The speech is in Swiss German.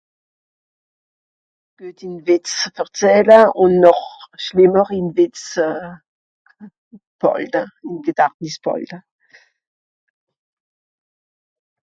gueti Wìtz zu verzähle ùn noch Schlemmeri Witz pàlde im Gedachtnis pàlde